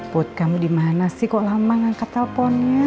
put kamu dimana sih kok lama ngangkat telponnya